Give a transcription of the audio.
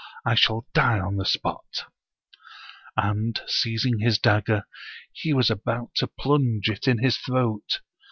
I shall die on the spot! " And seizing his dagger, he was about to plunge it in his throat.